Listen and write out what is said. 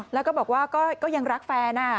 แล้วก็บอกว่าก็ยังรักแฟน